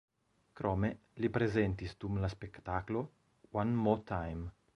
Krome li prezentis dum la spektaklo "One Mo’ Time".